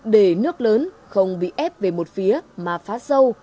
để nước lớn không bị ép về một phía mà phá sâu